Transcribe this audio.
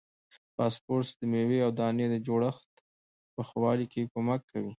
فاسفورس د میوې او دانې د جوړښت په ښه والي کې کومک کوي.